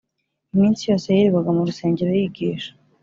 Iminsi yose yirirwaga mu rusengero yigisha